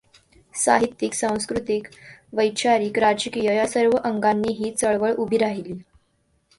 साहित्यिक, सांस्कृतिक, वैचारिक, राजकीय या सर्व अंगानी ही चळवळ उभी राहिली.